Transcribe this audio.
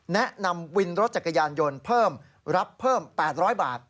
แนะนำวินรถจักรยานยนต์เพิ่มรับเพิ่ม๘๐๐บาท